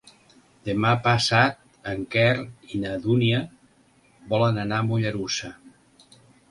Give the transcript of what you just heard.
Demà passat en Quer i na Dúnia volen anar a Mollerussa.